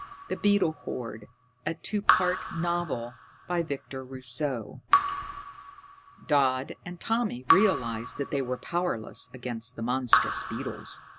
_ The Beetle Horde A TWO PART NOVEL By Victor Rousseau [Illustration: _Dodd and Tommy realised that they were powerless against the monstrous beetles.